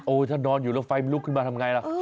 ถ้านอนอยู่แล้วไฟมันลุกขึ้นมาทำไงล่ะ